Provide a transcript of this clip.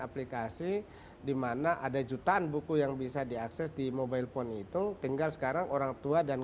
aplikasi dimana ada jutaan buku yang bisa diakses di mobile phone itu tinggal sekarang orang tua dan